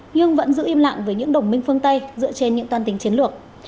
nhưng vẫn giữ im lặng với những đồng minh phương tây dựa trên những toan tính chiến lược